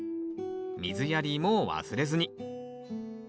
水やりも忘れずに。